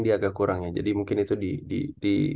dia agak kurangnya jadi mungkin itu di